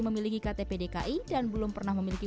memiliki ktp dki dan belum pernah memiliki